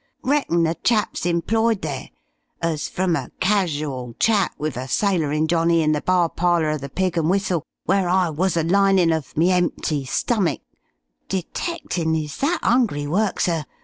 Reckon the chap's employed there, as, from a casual chat wiv a sailorin' Johnny in the bar parlour of the 'Pig and Whistle', where I wuz a linin' of me empty stummick (detectin' is that 'ungry work, sir!)